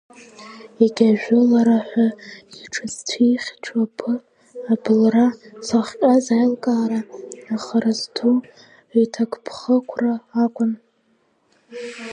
Егьи, ажәылараҳәа иҽызцәихьчо, абылра зыхҟьаз аилкаара, ахара зду иҭакԥхықәра акәын.